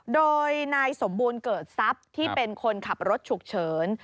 โดยนายสมบูรณ์เกิดทรัพย์ที่เป็นคนขับรถฉุกเฉิน